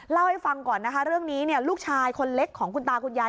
เล่าให้ฟังก่อนนะคะเรื่องนี้เนี่ยลูกชายคนเล็กของคุณตาคุณยาย